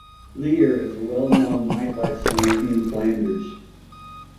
Lier is a well-known nightlife center in Flanders.